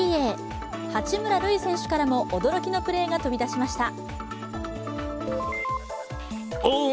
八村塁選手からも驚きのプレーが飛び出しました。